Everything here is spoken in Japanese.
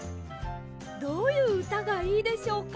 どういううたがいいでしょうか？